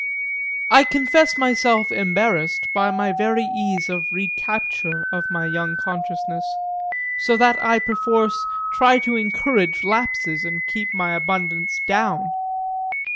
I confess myself embarrassed by my very ease of re capture of my young consciousness; so that I perforce try to encourage lapses and keep my abundance down.